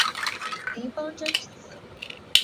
林邦桢之子。